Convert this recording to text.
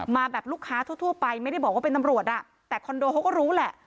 มาแบบลูกค้าทั่วไปไม่ได้บอกว่าเป็นตำรวจอ่ะแต่คอนโดเขาก็รู้แหละ